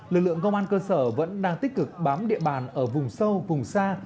lực lượng công an cơ sở vẫn đang tích cực bám địa bàn ở vùng sâu vùng xa